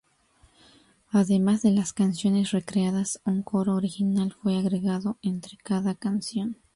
Además de las canciones recreadas, un coro original fue agregado entre cada canción.